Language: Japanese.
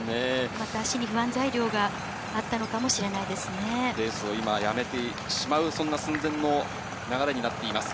また足に不安材料があったのレースを今、やめてしまう、そんな寸前の流れになっています。